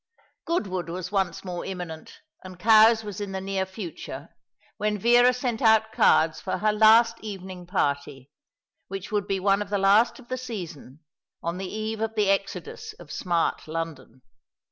Goodwood was once more imminent, and Cowes was in the near future, when Vera sent out cards for her last evening party, which would be one of the last of the season, on the eve of the exodus of smart London.